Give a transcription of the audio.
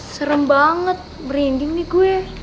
serem banget merinding nih gue